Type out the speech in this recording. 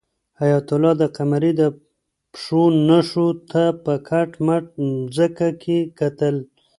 حیات الله د قمرۍ د پښو نښو ته په کټ مټه ځمکه کې کتل.